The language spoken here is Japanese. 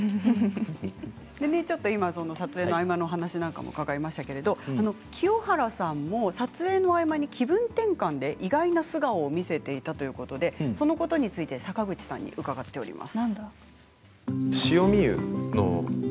その撮影の合間のお話も伺いましたけれども清原さんも撮影の合間に気分転換で意外な素顔を見せていたということで坂口さんに伺っています。